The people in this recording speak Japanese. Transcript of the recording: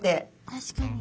確かに。